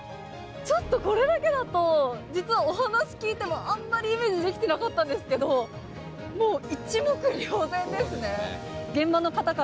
ちょっとこれだけだと、実はお話聞いてもあんまりイメージできてなかったんですけど、もう一目瞭然ですね。